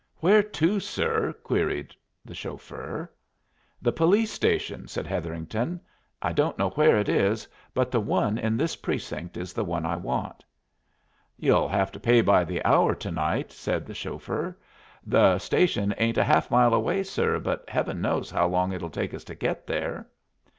"Where to, sir?" queried the chauffeur. "The police station," said Hetherington. "I don't know where it is, but the one in this precinct is the one I want." "Ye'll have to pay by the hour to night, sir," said the chauffeur. "The station ain't a half mile away, sir, but Heaven knows how long it'll take us to get there."